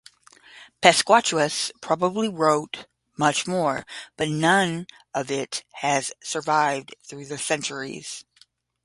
Paschasius probably wrote much more, but none of it has survived through the centuries.